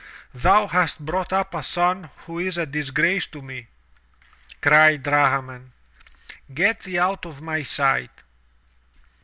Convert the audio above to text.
"Thou hast brought up a son who is a disgrace to me," cried Drahman. "Get thee out of my sight!"